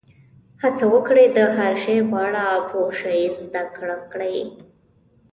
هڅه وکړئ د هر شي په اړه یو څه زده کړئ.